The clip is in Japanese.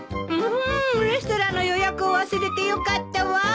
んレストランの予約を忘れてよかったわ。